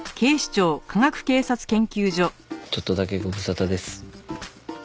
ちょっとだけご無沙汰です。